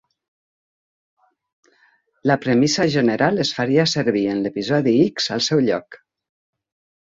La premissa general es faria servir en l'episodi "X" al seu lloc.